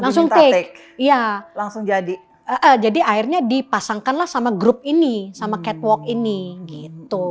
langsung take iya langsung jadi akhirnya dipasangkanlah sama grup ini sama catwalk ini gitu